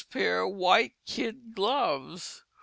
White Kid Gloves.